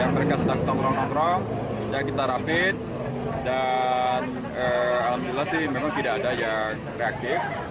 mereka sedang nongkrong nongkrong kita rapid dan alhamdulillah sih memang tidak ada yang reaktif